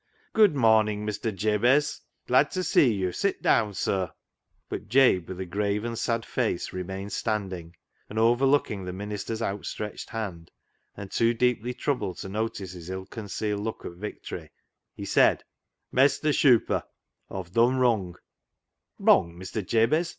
" Good morning, Mr. Jabez. Glad to see you ! Sit down, sir !" But Jabe, with a grave, sad face, remained standing, and overlooking the minister's out stretched hand, and too deeply troubled to notice his ill concealed look of victory, he said —" Mestur ' Shuper,' Aw've done wrung," " Wrong, Mr. Jabez